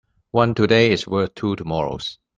One today is worth two tomorrows.